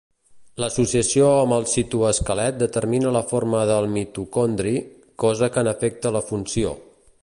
L'associació amb el citoesquelet determina la forma del mitocondri, cosa que n'afecta la funció.